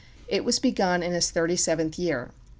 It was begun in his thirty seventh year.